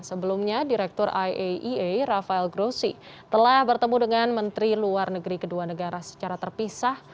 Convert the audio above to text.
sebelumnya direktur iaea rafael grosi telah bertemu dengan menteri luar negeri kedua negara secara terpisah